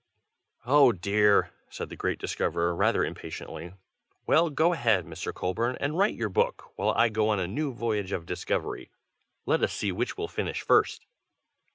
"Oh dear!" said the great discoverer, rather impatiently. "Well, go ahead, Mr. Colburn, and write your book, while I go on a new voyage of discovery. Let us see which will finish first."